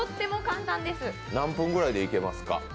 何分くらいでいけますか？